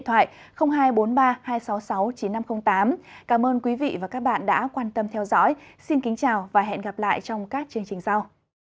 hẹn gặp lại các bạn trong các chương trình sau